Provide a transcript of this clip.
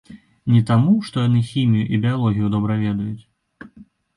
Не таму, што яны хімію і біялогію добра ведаюць.